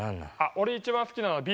俺一番好きなのＢ